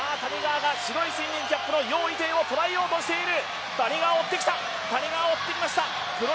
黒いスイミングキャップの余依テイを捉えようとしている。